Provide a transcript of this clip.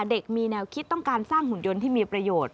เด็กมีแนวคิดต้องการสร้างหุ่นยนต์ที่มีประโยชน์